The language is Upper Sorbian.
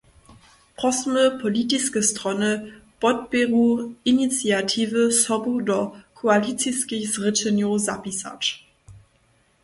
Prosymy politiske strony, podpěru iniciatiwy sobu do koaliciskich zrěčenjow zapisać.